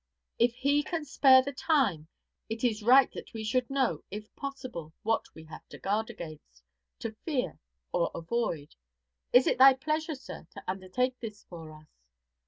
If he can spare the time, it is right that we should know, if possible, what we have to guard against, to fear or avoid. Is it thy pleasure, sir, to undertake this for us?'